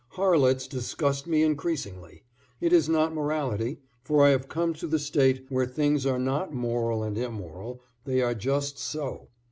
Harlots disgust me increasingly. It is not morality, for I have come to the state where things are not moral and immoral they are just so.